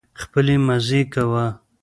خپلې مزې کوه